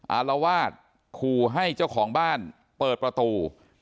อารวาสขู่ให้เจ้าของบ้านเปิดประตู